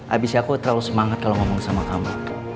abis aku terlalu semangat kalau ngomong sama kamu